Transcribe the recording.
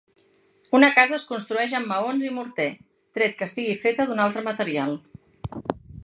Una casa es construeix amb maons i morter, tret que estigui feta d'un altre material.